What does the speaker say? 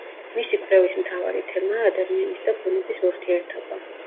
მისი კვლევის მთავარი თემაა ადამიანის და ბუნების ურთიერთობა.